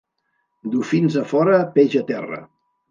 Dofins a fora, peix a terra.